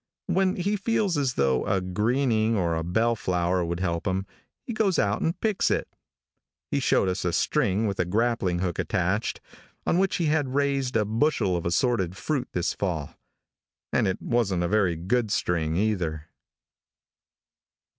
When he feels as though a Greening or a Bellflower would help him, he goes out and picks it. He showed us a string with a grappling hook attached, on which he had raised a bushel of assorted fruit this fall, and it wasn't a very good string, either.